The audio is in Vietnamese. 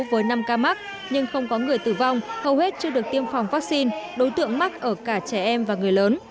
với năm ca mắc nhưng không có người tử vong hầu hết chưa được tiêm phòng vaccine đối tượng mắc ở cả trẻ em và người lớn